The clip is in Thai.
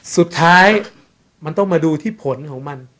สุดท้ายมันต้องมาดูที่ผลของมัน